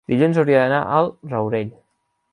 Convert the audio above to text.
dilluns hauria d'anar al Rourell.